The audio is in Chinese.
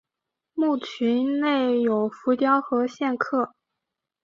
墓群内有浮雕和线刻。